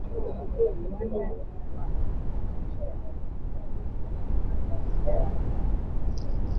Rwanda yaijibu Jamhuri ya Kidemokrasia ya Kongo